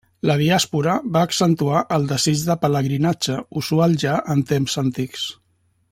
La diàspora va accentuar el desig del pelegrinatge, usual ja en temps antics.